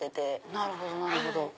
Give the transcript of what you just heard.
なるほどなるほど。